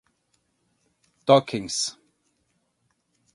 lexemas, tokens, sintáticas, sintaxe, cobol, algol, lisp, prolog, simula, smalltalk